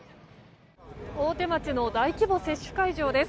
大手町の大規模接種会場です。